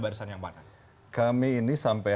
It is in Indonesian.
barisan yang mana kami ini sampai